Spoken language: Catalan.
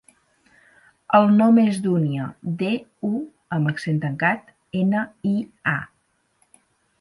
El nom és Dúnia: de, u amb accent tancat, ena, i, a.